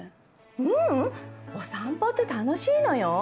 ううんお散歩って楽しいのよ。